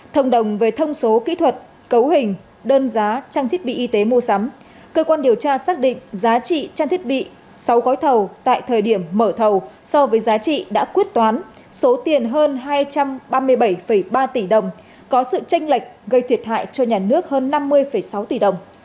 thông đồng về thông số kỹ thuật cấu hình đơn giá trang thiết bị y tế mua sắm cơ quan điều tra xác định giá trị trang thiết bị sáu gói thầu tại thời điểm mở thầu so với giá trị đã quyết toán số tiền hơn hai trăm ba mươi bảy ba tỷ đồng có sự tranh lệch gây thiệt hại cho nhà nước hơn năm mươi sáu tỷ đồng